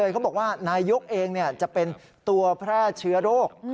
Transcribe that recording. เขาบอกว่านายยกเองจะเป็นตัวแพร่เชื้อโรค